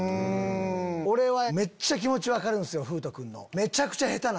俺はめっちゃ気持ち分かるんすよふうと君の。